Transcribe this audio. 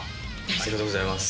ありがとうございます。